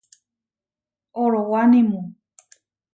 Orowanimu.